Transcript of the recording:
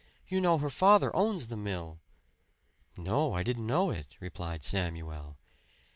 You know, her father owns the mill." "No, I didn't know it," replied Samuel.